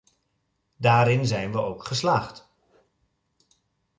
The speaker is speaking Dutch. Daarin zijn we ook geslaagd.